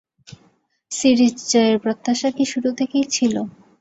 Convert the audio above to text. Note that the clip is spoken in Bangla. সিরিজ জয়ের প্রত্যাশা কি শুরু থেকেই ছিল?